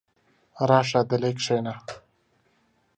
راشه دلې کښېنه!